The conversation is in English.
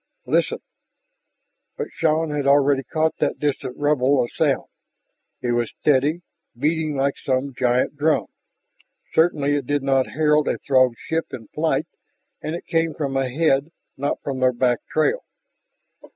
"Listen!" But Shann had already caught that distant rumble of sound. It was steady, beating like some giant drum. Certainly it did not herald a Throg ship in flight and it came from ahead, not from their back trail.